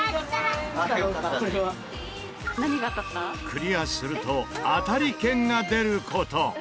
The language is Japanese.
クリアすると当たり券が出る事。